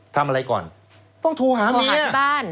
ทำอะไรก่อนต้องโทรหาเมีย